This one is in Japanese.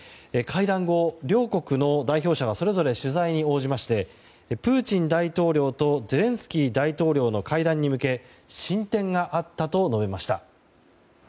会談後、両国の代表者がそれぞれ取材に応じましてプーチン大統領とゼレンスキー大統領の会談に向け進展があったと述べました。